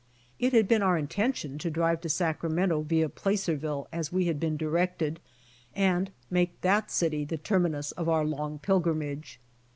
It had been our intention to drive to Sacramento via Placerville as we had been directed and make that city the ter minus of our long pilgrimage.